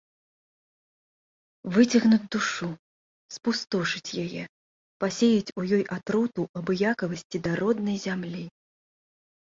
Выцягнуць душу, спустошыць яе, пасеяць у ёй атруту абыякавасці да роднай зямлі.